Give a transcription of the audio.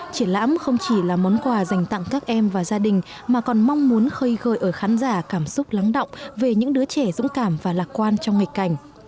triển lãm không chỉ là món quà dành tặng các em và gia đình mà còn mong muốn khơi gợi ở khán giả cảm xúc lắng động về những đứa trẻ dũng cảm và lạc quan trong nghịch cảnh